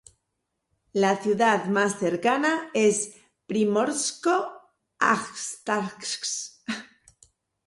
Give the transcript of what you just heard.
La ciudad más cercana es Primorsko-Ajtarsk.